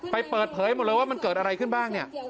เปิดเผยหมดเลยว่ามันเกิดอะไรขึ้นบ้างเนี่ย